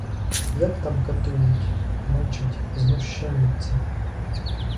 Як там катують, мучать, знущаються!